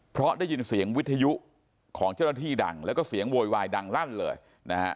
เพราะได้ยินเสียงวิทยุของเจ้าหน้าที่ดังแล้วก็เสียงโวยวายดังลั่นเลยนะฮะ